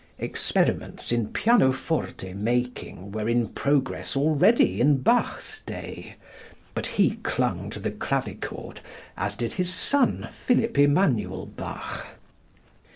Experiments in pianoforte making were in progress already in Bach's day, but he clung to the clavichord, as did his son, Philipp Emanuel Bach.